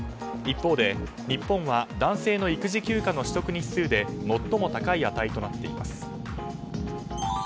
一方で日本は男性の育児休暇の取得日数で最も高い値となっています。